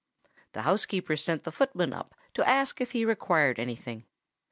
The housekeeper sent the footman up to ask if he required any thing.